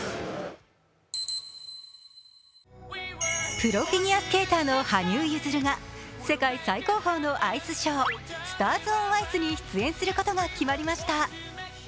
プロフィギュアスケーターの羽生結弦が世界最高峰のアイスショー、スターズ・オン・アイスに出演することが決まりました。